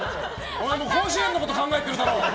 甲子園のこと考えてるだろ！